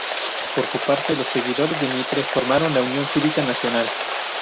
Por su parte, los seguidores de Mitre formaron la Unión Cívica Nacional.